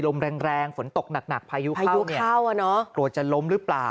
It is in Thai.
ลมแรงแรงฝนตกหนักพายุพายุเนี่ยกลัวจะล้มหรือเปล่า